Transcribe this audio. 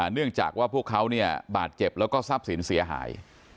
เนื่องจากว่าพวกเขาเนี่ยบาดเจ็บแล้วก็ทรัพย์สินเสียหาย